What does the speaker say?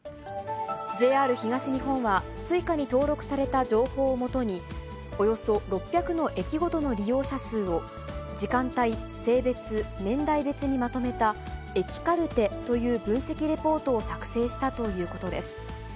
ＪＲ東日本は、Ｓｕｉｃａに登録された情報を基に、およそ６００の駅ごとの利用者数を、時間帯、性別、年代別にまとめた、駅カルテという分析レポートを作成したということです。